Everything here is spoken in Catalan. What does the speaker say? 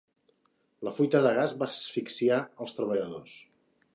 La fuita de gas va asfixiar els treballadors.